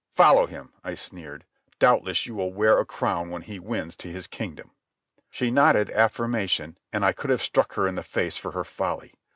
"Follow him," I sneered. "Doubtless you will wear a crown when he wins to his kingdom." She nodded affirmation, and I could have struck her in the face for her folly.